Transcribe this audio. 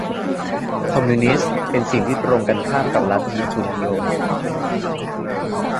คอมมิวนิสต์เป็นสิ่งที่ตรงกันข้ามกับลัทธิทุนนิยม